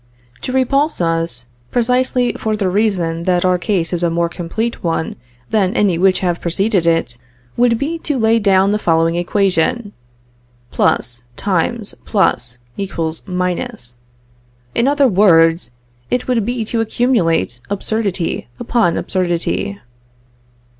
To repulse us, precisely for the reason that our case is a more complete one than any which have preceded it, would be to lay down the following equation: +×+=; in other words, it would be to accumulate absurdity upon absurdity.